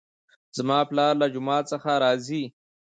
زما پلار له جومات څخه راځي